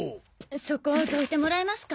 そこどいてもらえますか？